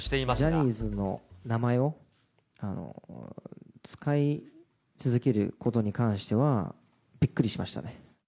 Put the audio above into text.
ジャニーズの名前を使い続けることに関しては、びっくりしましたね。